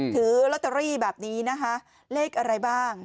ถือลอตเตอรี่แบบนี้นะคะเลขอะไรบ้าง